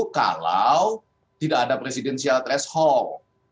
kalau tidak ada presidensial threshold